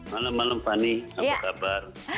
malam malam fani apa kabar